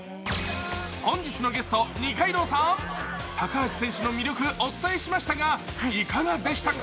本日のゲスト、二階堂さん、高橋選手の魅力をお伝えしましたがいかがでしたか？